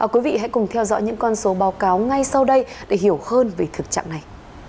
quý vị hãy cùng theo dõi những con số báo cáo ngay sau đây để hiểu hơn về thực trạng này